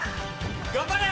・頑張れ！